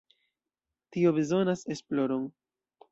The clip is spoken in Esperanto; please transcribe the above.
Tio bezonas esploron.